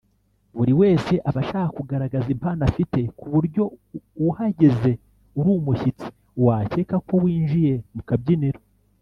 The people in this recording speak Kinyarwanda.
buri wese aba ashaka kugaragaza impano afite ku buryo uhageze uri umushyitsi wakeka ko winjiye mu kabyiniro